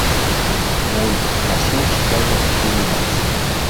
Mull nació en Chicago, Illinois.